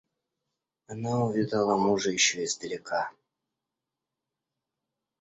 Она увидала мужа еще издалека.